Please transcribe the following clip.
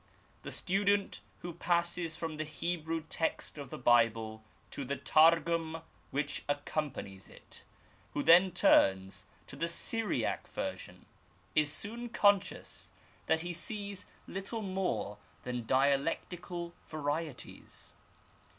The student who passes from the Hebrew text of the Bible to the Targum which accompanies it, who then turns to the Syriac version, is soon conscious that he sees little more than dialectical varieties.